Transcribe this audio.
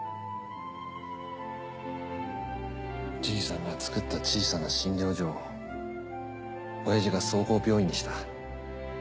じいさんが作った小さな診療所をおやじが総合病院にした。